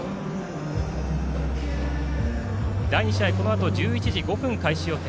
第２試合はこのあと１１時５分開始予定。